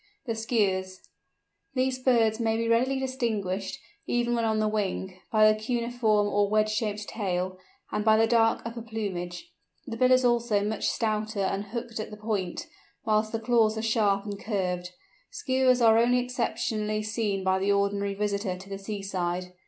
THE SKUAS. These birds may be readily distinguished, even when on the wing, by the cuneiform or wedge shaped tail, and by the dark upper plumage. The bill is also much stouter and hooked at the point, whilst the claws are sharp and curved. Skuas are only exceptionally seen by the ordinary visitor to the sea side.